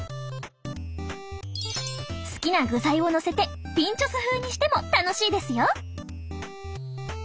好きな具材をのせてピンチョス風にしても楽しいですよ。